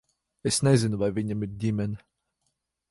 Es nezinu, vai viņam ir ģimene.